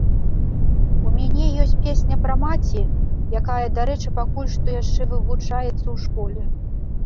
У мяне ёсць песня пра маці, якая, дарэчы, пакуль што яшчэ вывучаецца ў школе.